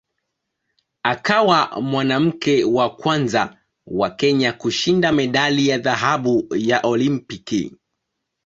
Akawa mwanamke wa kwanza wa Kenya kushinda medali ya dhahabu ya Olimpiki.